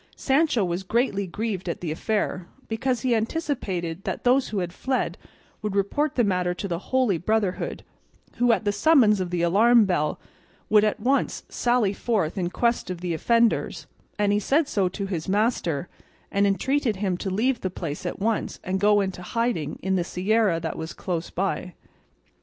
Sancho was greatly grieved at the affair, because he anticipated that those who had fled would report the matter to the Holy Brotherhood, who at the summons of the alarm bell would at once sally forth in quest of the offenders; and he said so to his master, and entreated him to leave the place at once, and go into hiding in the sierra that was close by.